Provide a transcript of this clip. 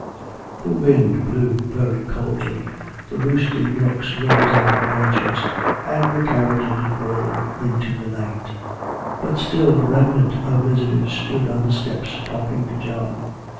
The wind blew very coldly, the roosting rooks rose out of the branches, and the carriages rolled into the night; but still a remnant of visitors stood on the steps talking to John.